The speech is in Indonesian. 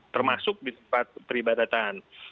termasuk di tempat peribadatan